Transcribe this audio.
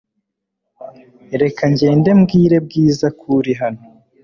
Reka ngende mbwire Bwiza ko uri hano .